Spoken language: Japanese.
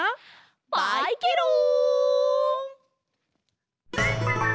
バイケロン！